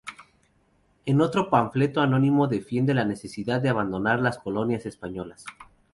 En otro panfleto anónimo defiende la necesidad de abandonar las colonias españolas.